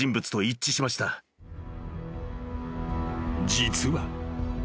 ［実は］